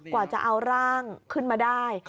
กว่าจะเอาร่างขึ้นมาได้